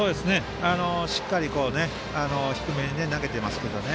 しっかり低めに投げていますね。